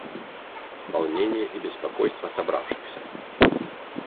Волнение и беспокойство собравшихся.